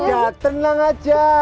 udah tenang aja